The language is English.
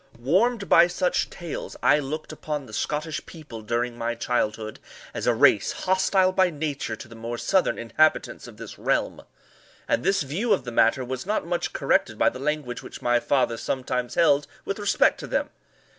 Warmed by such tales, I looked upon the Scottish people during my childhood, as a race hostile by nature to the more southern inhabitants of this realm; and this view of the matter was not much corrected by the language which my father sometimes held with respect to them.